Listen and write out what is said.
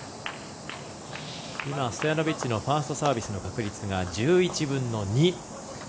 ストヤノビッチのファーストサービスの確率が１１分の２。